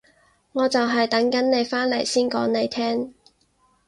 我就係等緊你返嚟先講你聽